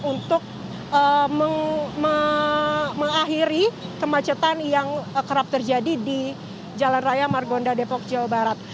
untuk mengakhiri kemacetan yang kerap terjadi di jalan raya margonda depok jawa barat